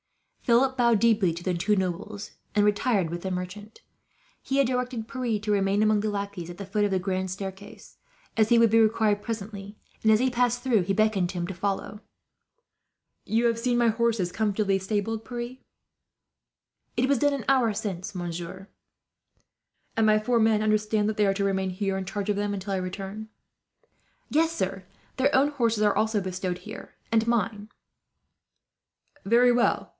Philip bowed deeply to the two nobles, and retired with the merchant. He had directed Pierre to remain among the lackeys at the foot of the grand staircase, as he would be required presently; and as he passed through, he beckoned to him to follow. "You have seen my horses comfortably stabled, Pierre?" "It was done an hour since, monsieur." "And my four men understand that they are to remain here, in charge of them, until I return?" "Yes, sir. Their own horses are also bestowed here, and mine." "Very well.